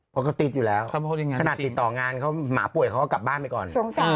เพราะเขาติดอยู่แล้วขนาดติดต่องานเขาหมาป่วยเขาก็กลับบ้านไปก่อน